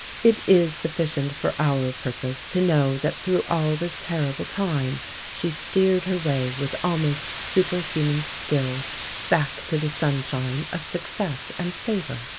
It is sufficient for our purpose to know that through all this terrible time she steered her way with almost superhuman skill back to the sunshine of success and favour.